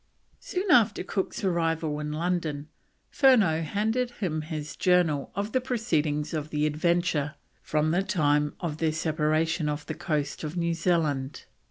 Soon after Cook's arrival in London, Furneaux handed him his Journal of the proceedings of the Adventure from the time of their separation off the coast of New Zealand.